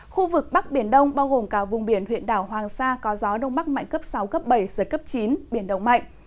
khu vực bắc biển đông bao gồm cả vùng biển huyện đảo hoàng sa có gió đông bắc mạnh cấp sáu cấp bảy giật cấp chín biển động mạnh